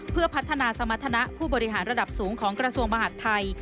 เพื่อพัฒนาสมรรถนะผู้บริหารระดับสูงของกระทรวงมหาดไทย